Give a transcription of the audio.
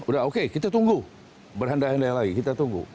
udah oke kita tunggu berhanda handa lagi kita tunggu